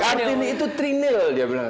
kart ini itu trinil dia bilang